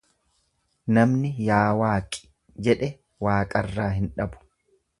Namni yaa waaqi jedhe, waaqarraa hin dhabu.